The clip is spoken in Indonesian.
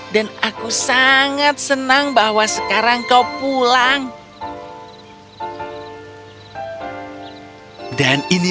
dan aku sangat senang bahwa sekarang kau sudah kembali